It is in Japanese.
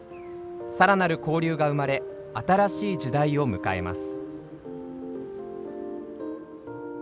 さらなる交流が生まれ新しい時代を迎えます。